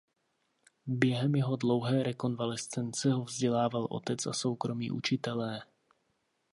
Během jeho dlouhé rekonvalescence ho vzdělával otec a soukromí učitelé.